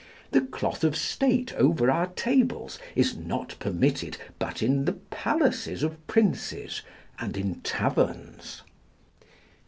The cloth of state over our tables is not permitted but in the palaces of princes and in taverns.